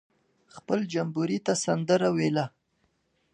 خپل جمبوري ته سندره ویله.